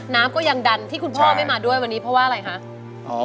น้ำก็ยังดันที่คุณพ่อไม่มาด้วยวันนี้เพราะว่าอะไรคะ